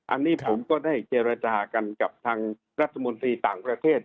อันนี้ผมก็ได้เจรจากันกับทางรัฐมนตรีต่างประเทศ